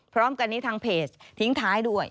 พร้อมกันนี้ทางเพจทิ้งท้ายด้วย